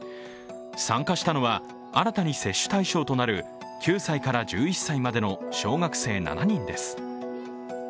参加したのは新たに接種対象となる９歳から１１歳までの小学生７人です。